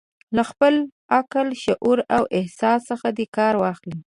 له خپل عقل، شعور او احساس څخه دې کار واخلي.